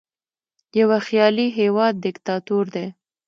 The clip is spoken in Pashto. یوه خیالي هیواد دیکتاتور دی.